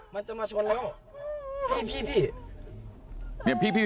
มันจะมาชนแล้วพี่